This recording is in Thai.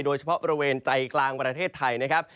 โดยเฉพาะบริเวณใจกลางประเทศไทยนะครับ